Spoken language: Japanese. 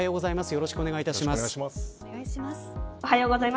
よろしくお願いします。